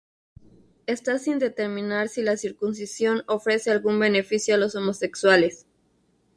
Está sin determinar si la circuncisión ofrece algún beneficio a los homosexuales.